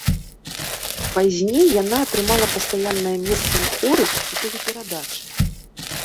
Пазней яна атрымала пастаяннае месца ў хоры у тэлеперадачы.